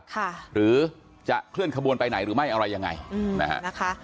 หรือจะเคลื่อนขบวนไปไหนหรือไม่อะไรยังไงอืมนะฮะนะคะ